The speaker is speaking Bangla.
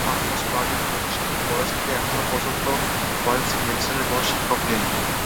পাঁচ বছর আগে প্রতিষ্ঠিত কলেজটিতে এখন পর্যন্ত ফরেনসিক মেডিসিনের কোনো শিক্ষক নেই।